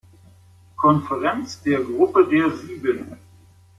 Konferenz der Gruppe der Sieben.